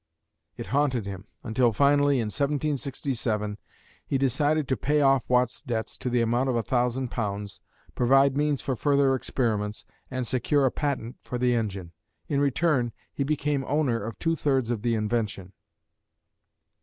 It haunted him until finally, in 1767, he decided to pay off Watt's debts to the amount of a thousand pounds, provide means for further experiments, and secure a patent for the engine. In return, he became owner of two thirds of the invention.